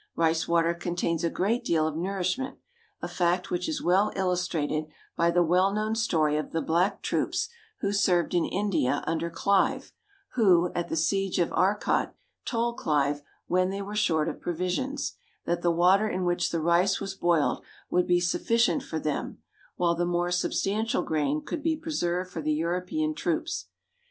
Rice water contains a great deal of nourishment, a fact which is well illustrated by the well known story of the black troops who served in India under Clive, who, at the siege of Arcot, told Clive, when they were short of provisions, that the water in which the rice was boiled would be sufficient for them, while the more substantial grain could be preserved for the European troops.